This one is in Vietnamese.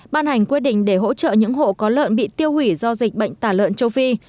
ban hành quyết định để hỗ trợ những hộ có lợn bị tiêu hủy do dịch bệnh tả lợn châu phi